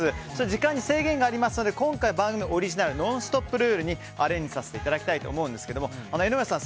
時間に制限がありますので今回、番組のオリジナル「ノンストップ！」ルールにアレンジさせていただきたいと思うんですが、江上さん